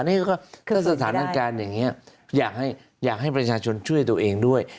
นี่ก็ถ้าสถานการณ์อย่างนี้อยากให้ประชาชนช่วยตัวเองด้วย